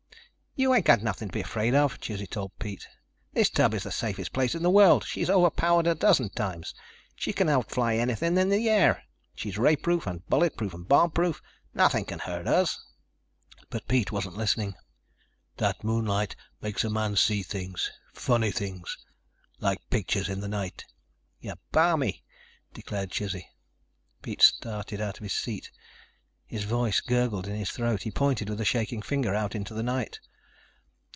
"You ain't got nothing to be afraid of," Chizzy told Pete. "This tub is the safest place in the world. She's overpowered a dozen times. She can outfly anything in the air. She's rayproof and bulletproof and bombproof. Nothing can hurt us." But Pete wasn't listening. "That moonlight makes a man see things. Funny things. Like pictures in the night." "You're balmy," declared Chizzy. Pete started out of his seat. His voice gurgled in his throat. He pointed with a shaking finger out into the night.